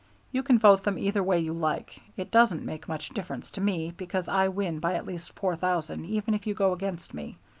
You can vote them either way you like. It doesn't make much difference to me because I win by at least four thousand even if you go against me.